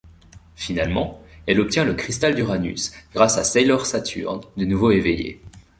Finalement, elle obtient le cristal d’Uranus grâce à Sailor Saturn, de nouveau éveillée.